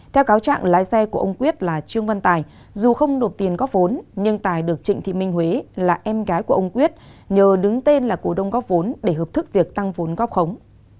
theo cáo trạng lái xe của ông quyết là trương văn tài dù không nộp tiền góp vốn nhưng tài được trịnh thị minh huế là em gái của ông quyết nhờ đứng tên là cổ đông góp vốn để hợp thức việc tăng vốn góp khống